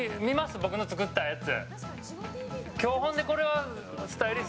僕の作ったやつ。